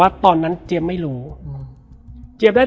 แล้วสักครั้งหนึ่งเขารู้สึกอึดอัดที่หน้าอก